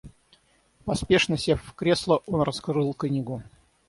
Поспешно сев в кресло, он раскрыл книгу.